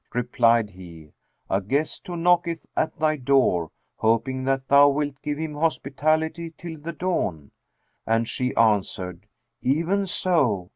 Replied he, "A guest who knocketh at thy door, hoping that thou wilt give him hospitality till the dawn;" and she answered; "Even so!